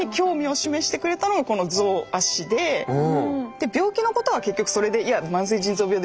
で病気のことは結局それで「いや慢性腎臓病でさ」